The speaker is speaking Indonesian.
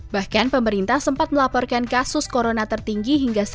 bahkan pemerintah sempat melaporkan kasus corona tertinggi hingga dua ribu dua puluh